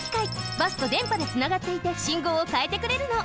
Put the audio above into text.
バスとでんぱでつながっていてしんごうをかえてくれるの。